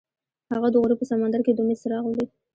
هغه د غروب په سمندر کې د امید څراغ ولید.